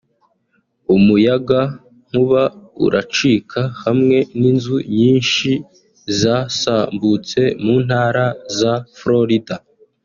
umuyagankuba uracika hamwe n’inzu nyinshi zasambutse mu ntara za Florida